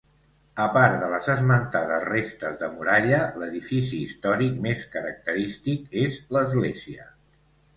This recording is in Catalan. A part de les esmentades restes de muralla, l'edifici històric més característic és l'església.